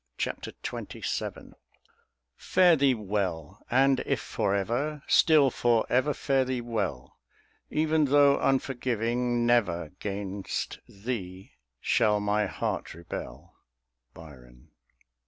Chapter XXVII Fare thee well; and if for ever Still for ever fare thee well: Even though unforgiving, never 'Gainst thee shall my heart rebel. BYRON.